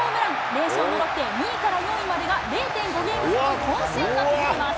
連勝のロッテ、２位から４位までは０．５ゲーム差の混戦が続きます。